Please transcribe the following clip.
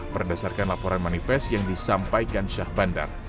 berdasarkan laporan manifest yang disampaikan syah bandar